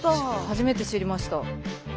初めて知りました。